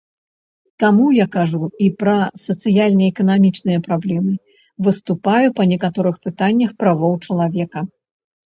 Таму я кажу і пра сацыяльна-эканамічныя праблемы, выступаю па некаторых пытаннях правоў чалавека.